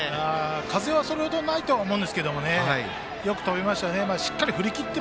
風はそれほどないと思うんですけどよく飛びましたね。